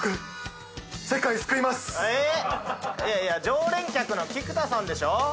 いや常連客の菊田さんでしょ。